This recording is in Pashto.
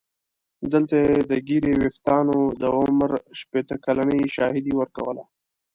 دلته یې د ږیرې ویښتانو د عمر شپېته کلنۍ شاهدي ورکوله.